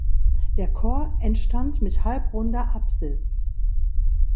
Der Chor entstand mit halbrunder Apsis.